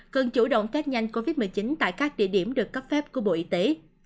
cần chủ động tết nhanh covid một mươi chín tại các địa điểm được cấp phép của bộ y tế